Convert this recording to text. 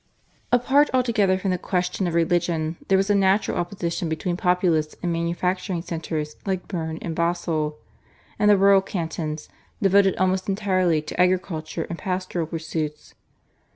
Apart altogether from the question of religion, there was a natural opposition between populous and manufacturing centres like Berne and Basle, and the rural cantons, devoted almost entirely to agricultural and pastoral pursuits.